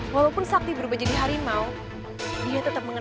kalau bisa kamu bangunin untuk saya